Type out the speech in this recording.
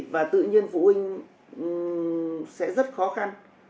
và tự nhiên phụ huynh sẽ rất khó khăn